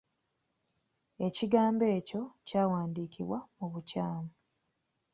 Ekigambo ekyo kyawandiikibwa mu bukyamu.